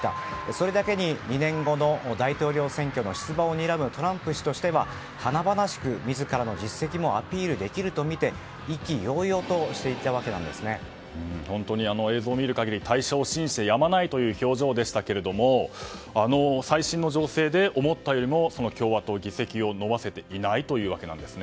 それだけに２年後の大統領選挙の出馬をにらむトランプ氏としては華々しく自らの実績もアピールできるとみて本当に、映像を見る限り大勝を信じてやまないという表情でしたけれども最新の情勢で思ったよりも共和党、議席を伸ばせていないというわけです。